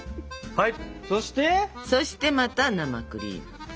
はい。